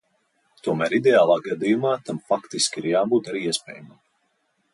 Tomēr ideālā gadījumā tam faktiski ir jābūt arī iespējamam.